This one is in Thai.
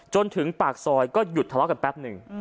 จนถึงปากซอยก็หยุดทะเลาะกันแป๊บหนึ่ง